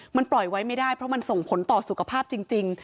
มันปล่อยไว้ไม่ได้เพราะมันส่งผลต่อสุขภาพจริง